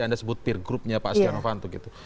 anda sebut peer group nya pak setia novanto